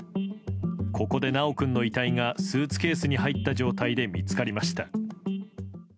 ここで修君の遺体がスーツケースに入った状態で見つかりました。